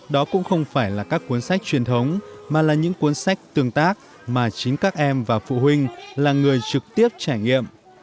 đó cũng không phải là các cuốn sách truyền thống mà là những cuốn sách tương tác mà chính các em và phụ huynh là người trực tiếp trải nghiệm